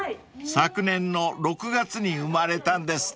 ［昨年の６月に生まれたんですって］